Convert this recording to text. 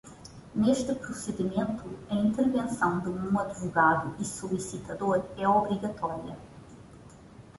Neste procedimento, a intervenção de um advogado e solicitador é obrigatória.